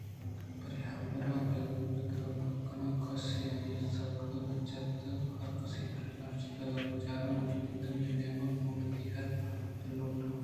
پرے حبرءَ پگرمہ کن کسءَ آئیءِ زنگ نہ جتگ ہرکس پہ رضاشتگ بچار من گنگدامے نیاں من وتی ہر کارءِ بدل ءَ لوٹاں